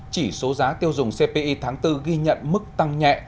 chỉ số giá tiêu dùng cpi tháng bốn ghi nhận mức tăng nhẹ